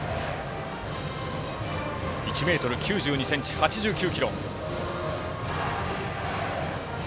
１ｍ９２ｃｍ、８９ｋｇ。